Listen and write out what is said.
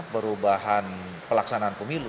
perubahan pelaksanaan pemilu